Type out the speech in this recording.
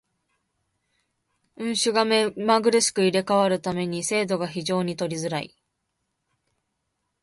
運手が目まぐるしく入れ替わる為に精度が非常に取りづらい。